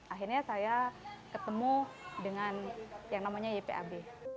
akhirnya saya ketemu dengan yang namanya ypab